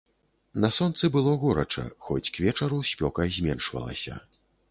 На сонцы было горача, хоць к вечару спёка зменшвалася.